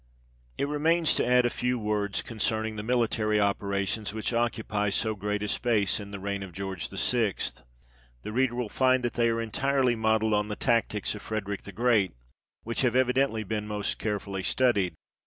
It remains to add a few words concerning the military operations which occupy so great a space in " The Reign of George VI." The reader will find that they are entirely modelled on the tactics of Frederick the Great, which have evidently been most carefully studied.